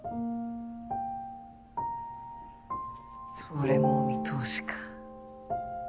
それもお見通しか。